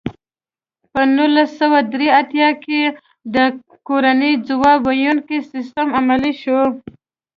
په نولس سوه درې اتیا کال کې د کورنیو ځواب ویونکی سیستم عملي شو.